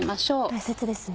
大切ですね。